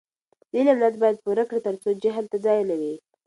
د علم ولایت باید پوره کړي ترڅو جهل ته ځای نه وي.